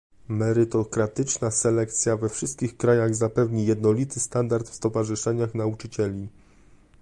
merytokratyczna selekcja we wszystkich krajach zapewni jednolity standard w stowarzyszeniach nauczycieli